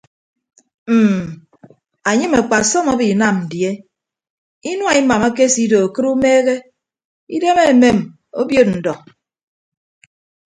Mm anyem akpasọm abinam die inua imam akesido akịd umeehe idem amem obiod ndọ.